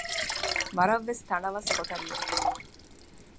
ވަރަށްވެސް ތަނަވަސް ކޮޓަރިއެއް